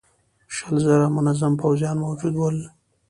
شل زره منظم پوځيان موجود ول.